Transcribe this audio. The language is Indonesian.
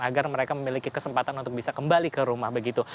agar mereka memiliki kesempatan untuk bisa kembali ke rumah begitu